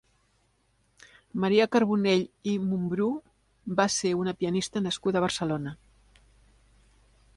Maria Carbonell i Mumbrú va ser una pianista nascuda a Barcelona.